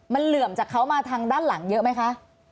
มันเหลื่อมจากเขามาทางด้านหลังเยอะไหมคะ